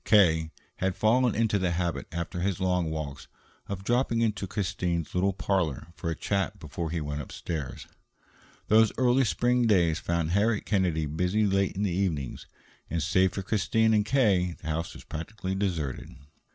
K. had fallen into the habit, after his long walks, of dropping into Christine's little parlor for a chat before he went upstairs. Those early spring days found Harriet Kennedy busy late in the evenings, and, save for Christine and K., the house was practically deserted.